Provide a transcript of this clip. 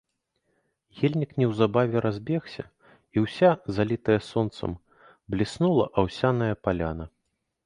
Ельнік неўзабаве разбегся, і, уся залітая сонцам, бліснула аўсяная паляна.